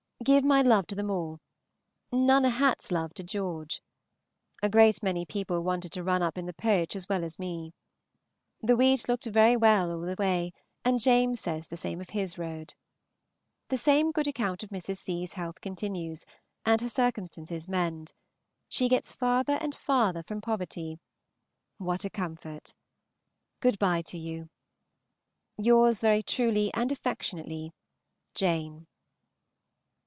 Give my love to them all Nunna Hat's love to George. A great many people wanted to run up in the Poach as well as me. The wheat looked very well all the way, and James says the same of his road. The same good account of Mrs. C.'s health continues, and her circumstances mend. She gets farther and farther from poverty. What a comfort! Good by to you. Yours very truly and affectionately, JANE.